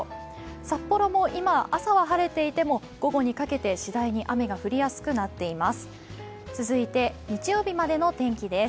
札幌も朝は晴れていても午後にかけてしだいに雨が降りやすくなっています。